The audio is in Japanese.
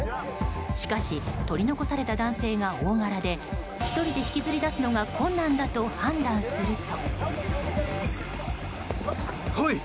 しかし取り残された男性が大柄で１人で引きずり出すのが困難だと判断すると。